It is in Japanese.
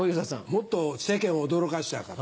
もっと世間を驚かしちゃうから。